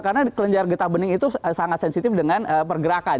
karena kelenjar getah bening itu sangat sensitif dengan pergerakan